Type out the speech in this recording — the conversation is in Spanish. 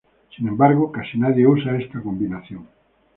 Sin embargo, casi nadie usa esta combinación.